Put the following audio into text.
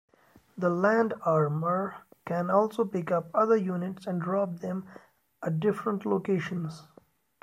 The Land-Armor can also pick up other units and drop them a different locations.